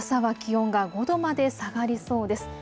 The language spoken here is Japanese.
朝は気温が５度まで下がりそうです。